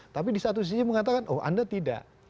tapi di satu sisi mengatakan oh anda tidak